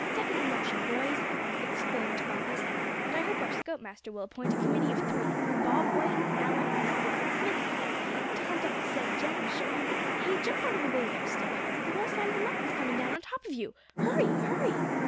"Second the motion, boys!" exclaimed Bumpus; "and I hope our scoutmaster will appoint a committee of three, Bob White, Allan, and, well, Smithy here, to hunt up the said gent, and show him hey, jump out of the way there, Step Hen; the whole side of the mountain's coming down on top of you! Hurry! hurry!"